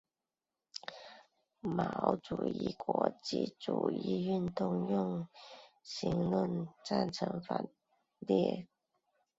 毛主义国际主义运动用舆论赞成反帝国主义和民族解放斗争。